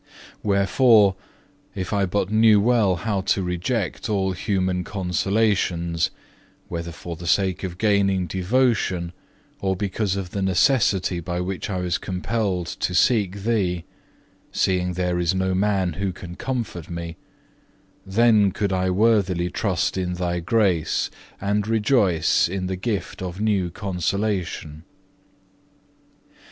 3. Wherefore, if I but knew well how to reject all human consolations, whether for the sake of gaining devotion, or because of the necessity by which I was compelled to seek Thee, seeing there is no man who can comfort me; then could I worthily trust in Thy grace, and rejoice in the gift of new consolation.